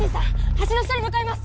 橋の下に向かいます！